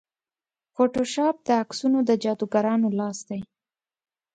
فوټوشاپ د عکسونو د جادوګرانو لاس دی.